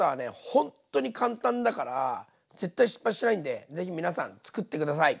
ほんっとに簡単だから絶対失敗しないんでぜひ皆さんつくって下さい！